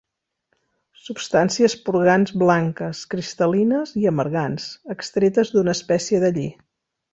Substàncies purgants blanques, cristal·lines i amargants, extretes d'una espècie de lli.